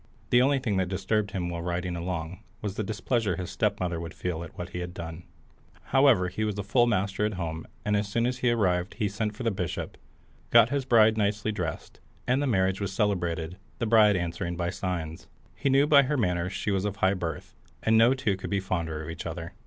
The only thing that disturbed him while riding along was the displeasure his stepmother would feel at what he had done. However, he was full master at home, and as soon as he arrived he sent for the bishop, got his bride nicely dressed, and the marriage was celebrated, the bride answering by signs. He knew by her manners she was of high birth, and no two could be fonder of each other.